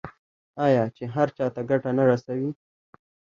آیا چې هر چا ته ګټه نه رسوي؟